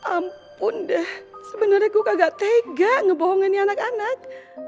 ampun deh sebenarnya gue kagak tega ngebohongin anak anak